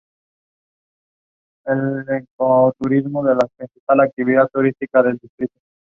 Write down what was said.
Una vez restablecido, vuelve al combate.